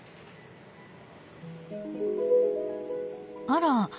あら？